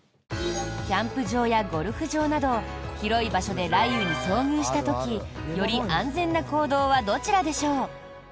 キャンプ場やゴルフ場など広い場所で雷雨に遭遇した時より安全な行動はどちらでしょう。